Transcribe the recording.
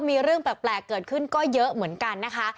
มีเรื่องแปลกเกิดขึ้นก็เยอะเหมือนกันนะคะ